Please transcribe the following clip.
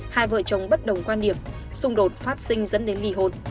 hai vợ chồng bất đồng quan điểm xung đột phát sinh dẫn đến lì hồn